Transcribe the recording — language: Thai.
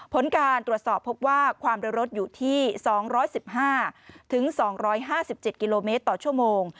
ผลการตรวจสอบพบว่าความเร็วรถอยู่ที่๒๑๕๒๕๗กิโลเมตรต่อชั่วโมง